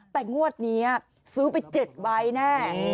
แต่งวดนี้ซื้อไป๗ใบแน่